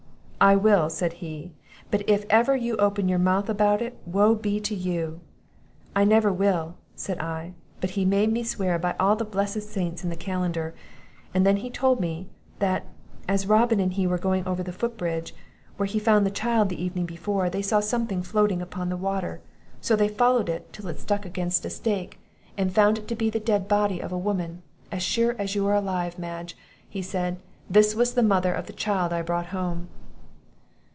'I will,' said he; 'but if ever you open your mouth about it, woe be to you!' 'I never will,' said I; but he made me swear by all the blessed saints in the Calendar; and then he told me, that, as Robin and he were going over the foot bridge, where he found the child the evening before, they saw something floating upon the water; so they followed it, till it stuck against a stake, and found it to be the dead body of a woman; 'as sure as you are alive, Madge,' said he, 'this was the mother of the child I brought home.